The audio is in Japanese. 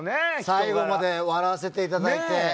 最後まで笑わせていただいて。